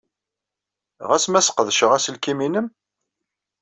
Ɣas ma sqedceɣ aselkim-nnem?